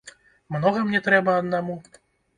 Многа мне трэба аднаму?